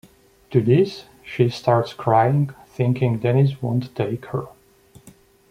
To this, she starts crying, thinking Dennis won't take her.